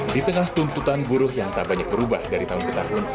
di tengah tuntutan buruh yang tak banyak berubah dari tahun ke tahun